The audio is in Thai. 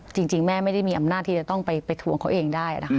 จริงแม่ไม่ได้มีอำนาจที่จะต้องไปทวงเขาเองได้นะคะ